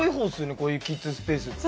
こういうキッズスペースって。